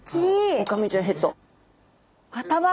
オオカミちゃんヘッド。